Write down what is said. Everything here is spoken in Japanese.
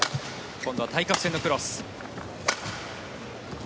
今度は対角線のクロス。